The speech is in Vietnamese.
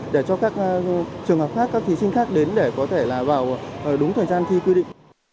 để cho các trường hợp khác các thí sinh khác đến để có thể là vào đúng thời gian thi quy định